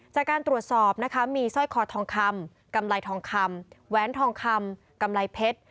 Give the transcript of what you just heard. จากการตรวจสอบนะคะมีสร้อยคอทองคำกำไรทองคำแหวนทองคำกำไรเพชร